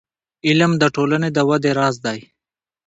• علم، د ټولنې د ودې راز دی.